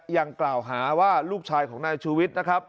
ยังกล่าวหาว่ารูปชายของนายชุวิต